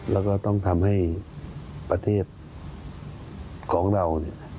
แล้วก็ต้องทำให้ประเทศของเราเนี่ย